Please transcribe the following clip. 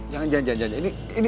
jangan jangan jangan